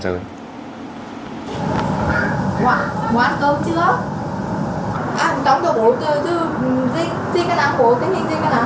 ăn cơm cho bố chứ xin cái nắng bố xin cái nắng